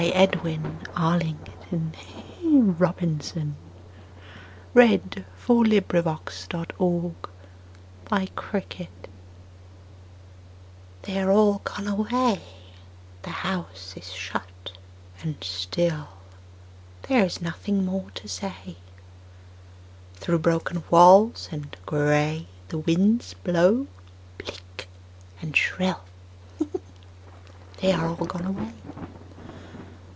Edwin Arlington Robinson The House on the Hill THEY are all gone away, The house is shut and still, There is nothing more to say. Through broken walls and gray The winds blow bleak and shrill: They are all gone away.